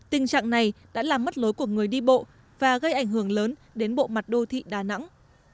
tình trạng này đã làm mất lối của người đi bộ và gây ảnh hưởng lớn đến bộ mặt đô thị đà nẵng